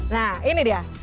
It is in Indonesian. nah ini dia